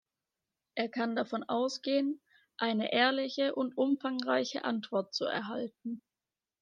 Er kann davon ausgehen, eine ehrliche und umfangreiche Antwort zu erhalten.